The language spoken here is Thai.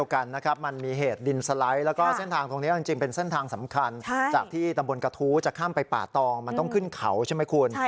กันนะครับมันมีเหตุดินสไลด์แล้วก็เส้นทางตรงนี้จริงเป็นเส้นทางสำคัญจากที่ตำบลกระทู้จะข้ามไปป่าตองมันต้องขึ้นเขาใช่ไหมคุณ